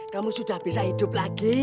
kamu sudah bisa hidup lagi